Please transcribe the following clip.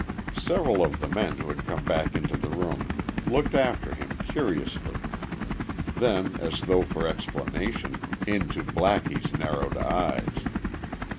Several of the men who had come back into the room looked after him curiously, then as though for explanation, into Blackie's narrowed eyes.